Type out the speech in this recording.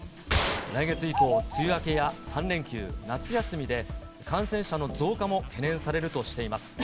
来月以降、梅雨明けや３連休、夏休みで、感染者の増加も懸念されるとしています。